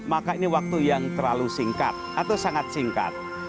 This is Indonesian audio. maka ini waktu yang terlalu singkat atau sangat singkat